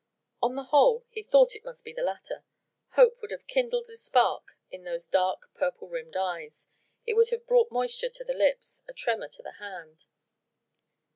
On the whole he thought it must be the latter: hope would have kindled a spark in those dark, purple rimmed eyes, it would have brought moisture to the lips, a tremor to the hand.